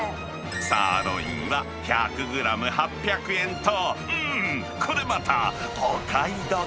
サーロインは１００グラム８００円と、うーん、これまたお買い得。